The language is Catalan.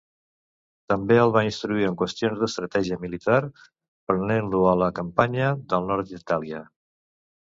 També el va instruir en qüestions d'estratègia militar prenent-lo a la campanya del nord d'Itàlia.